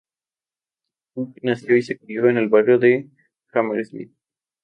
Cook nació y se crio en el barrio de Hammersmith.